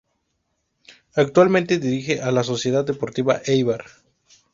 Actualmente dirige a la Sociedad Deportiva Eibar.